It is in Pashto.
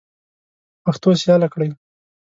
پښتو سیاله کړئ.